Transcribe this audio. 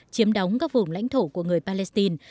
chiếm đóng các vùng lãnh thổ của người palestine